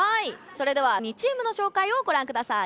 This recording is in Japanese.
それでは２チームのしょうかいをごらんください。